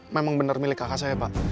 memang benar milik kakak saya pak